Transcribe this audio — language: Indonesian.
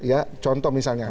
ya contoh misalnya